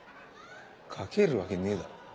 かけるわけねえだろ。